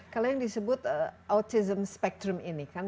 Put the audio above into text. kalau yang disebut autism spektrum ini kan